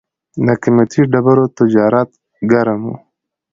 د قیمتي ډبرو تجارت ګرم و